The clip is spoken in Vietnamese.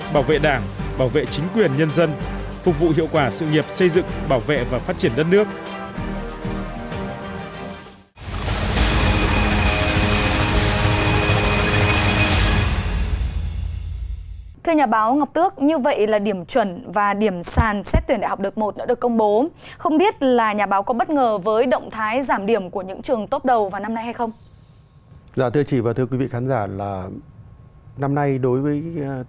bảo vệ đảng bảo vệ chính quyền nhân dân phục vụ hiệu quả sự nghiệp xây dựng bảo vệ và phát triển đất nước